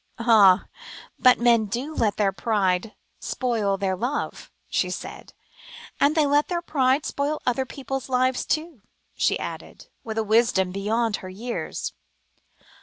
"Ah! but men do let their pride spoil their love," she said, "and they let their pride spoil other people's lives too," she added, with a wisdom beyond her years.